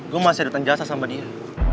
gue masih ada tanggung jawab sama dia